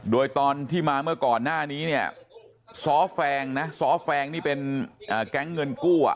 โดยตอนที่มาเมื่อก่อนหน้านี้เนี่ยซ้อแฟงนะซ้อแฟงนี่เป็นแก๊งเงินกู้อ่ะ